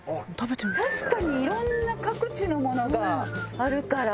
確かにいろんな各地のものがあるから。